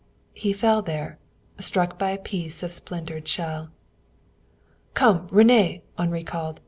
He fell there, struck by a piece of splintered shell. "Come, René!" Henri called.